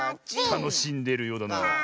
たのしんでいるようだな。